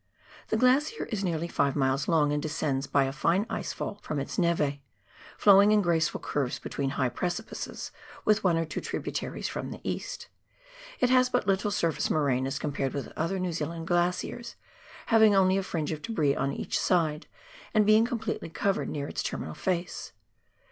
The glacier is nearly five miles long and descends by a fine ice fall from its neve, flowing in graceful curves between high precipices with one or two tributaries from the east. It has but little surface moraine as compared with other New Zealand glaciers, having only a fringe of debris on each side and being completely covered near its terminal face.